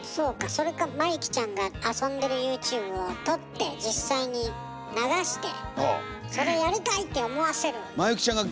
それかまゆきちゃんが遊んでるＹｏｕＴｕｂｅを撮って実際に流してそれやりたい！って思わせる。